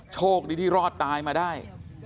โชคดีที่รอดตายมาได้